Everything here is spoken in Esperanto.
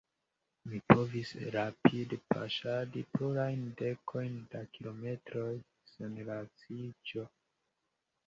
Mi povis rapid-paŝadi plurajn dekojn da kilometroj sen laciĝo.